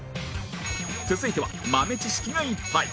続いては豆知識がいっぱい